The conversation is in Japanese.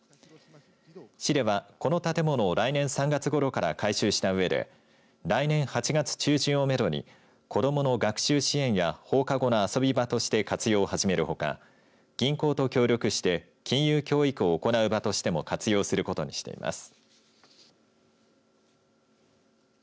市では、この建物を来年３月ごろから改修したうえで来年８月中旬をめどに子どもの学習支援や放課後の遊び場として活用を始めるほか銀行と協力して金融教育を行う場としても活用することにしています。